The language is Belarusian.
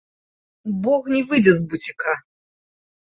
Бог не выйдзе з буціка!